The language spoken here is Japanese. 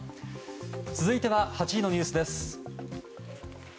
続いては８時のニュースです。